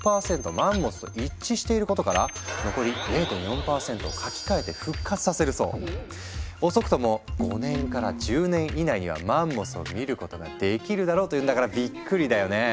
マンモスと一致していることから「遅くとも５年から１０年以内にはマンモスを見ることができるだろう」というんだからびっくりだよね！